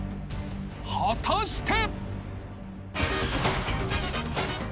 ［果たして！？］